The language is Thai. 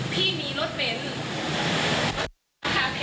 ทั้งสองฝ่ายเราก็เฉย